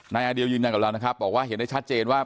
อเดียลยืนยันกับเรานะครับบอกว่าเห็นได้ชัดเจนว่า